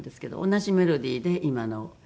同じメロディーで今の歌が。